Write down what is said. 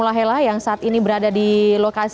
tepatnya di area lobby